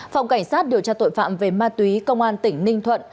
phòng cảnh sát điều tra tội phạm về ma túy công an tỉnh ninh thuận